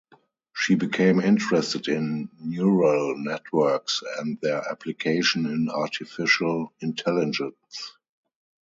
She became interested in neural networks and their application in artificial intelligence.